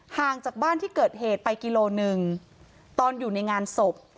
ห่างจากบ้านที่เกิดเหตุไปกิโลหนึ่งตอนอยู่ในงานศพ